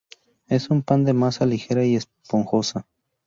Es un pan de masa ligera y esponjosa.